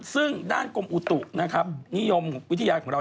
ซึ่งด้านกลมอุตุนิยมวิทยาของเรา